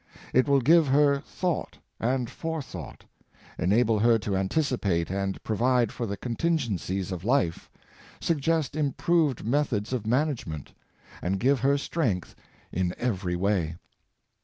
It will give her thought and forethought, enable her to anticipate and provide for the contingen cies of life, suggest improved methods of management, and give her strength in every way.